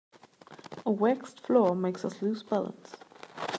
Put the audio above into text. A waxed floor makes us lose balance.